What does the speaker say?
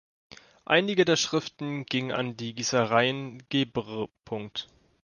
Einige der Schriften gingen an die Gießereien Gebr.